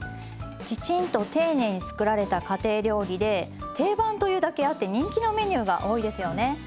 きちんと丁寧に作られた家庭料理で定番というだけあって人気のメニューが多いですよね。